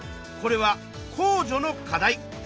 これは公助の課題。